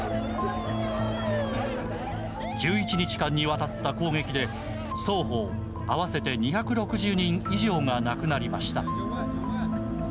１１日間にわたった攻撃で双方合わせて２６０人以上が亡くなりました。